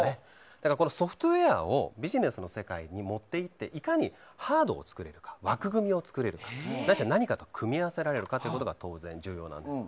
だからソフトウェアをビジネスの世界に持っていっていかにハードを作れるか枠組みを作れるかないしは何かと組み合わせられるかが重要です。